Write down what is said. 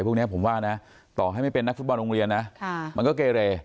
ผมว่าต่อให้ไม่เป็นนักฟุตบอลโรงเรียนมันก็เกเร